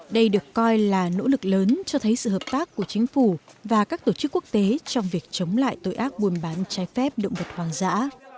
đây được coi là nỗ lực lớn cho thấy sự hợp tác của chính phủ và các tổ chức quốc tế trong việc chống lại tội ác buôn bán trái phép động vật hoang dã